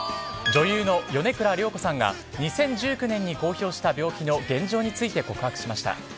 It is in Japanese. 女優の米倉涼子さんが２０１９年に公表した病気の現状について告白しました。